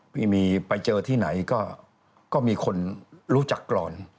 ไม่มีไปเจอที่ไหนก็มีคนรู้จักกรอน